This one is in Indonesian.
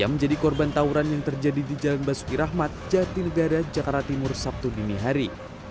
yang menjadi korban tawuran yang terjadi di jalan basuki rahmat jatinegara jakarta timur sabtu dini hari